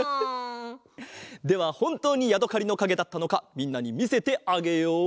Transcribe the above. ではほんとうにやどかりのかげだったのかみんなにみせてあげよう！